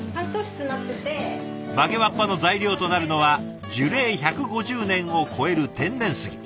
曲げわっぱの材料となるのは樹齢１５０年を超える天然杉。